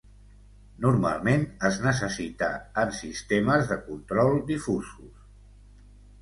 Normalment es necessita en sistemes de control difusos.